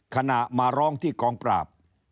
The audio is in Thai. มาร้องที่กองปราบ